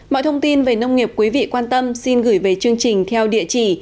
mọi thông tin về nông nghiệp quý vị quan tâm xin gửi về chương trình theo địa chỉ